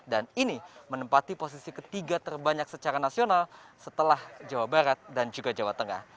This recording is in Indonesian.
dan ini menempati posisi ketiga terbanyak secara nasional setelah jawa barat dan juga jawa tengah